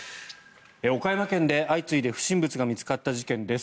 岡山県で相次いで不審物が見つかった事件です。